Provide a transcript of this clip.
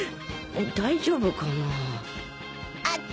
大丈夫かなぁあっ